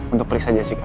untuk periksa jessi kak